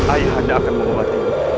ayah anda akan membahas ini